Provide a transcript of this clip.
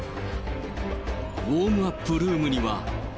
ウォームアップルームには。